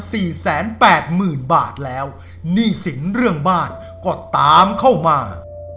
สี่แสนแปดหมื่นบาทแล้วหนี้สินเรื่องบ้านก็ตามเข้ามา